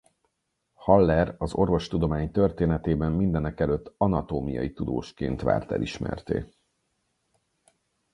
Haller az orvostudomány történetében mindenekelőtt anatómiai tudósként vált elismertté.